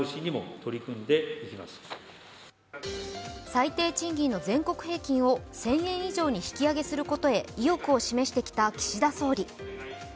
最低賃金の全国平均を１０００円以上に引き上げすることに意欲を示してきた岸田総理。